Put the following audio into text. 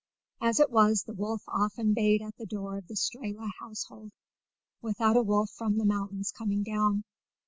As it was, the wolf often bayed at the door of the Strehla household, without a wolf from the mountains coming down.